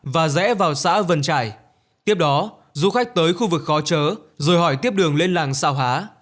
và rẽ vào xã vân trải tiếp đó du khách tới khu vực khó chớ rồi hỏi tiếp đường lên làng xào há